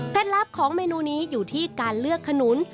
ลับของเมนูนี้อยู่ที่การเลือกขนุน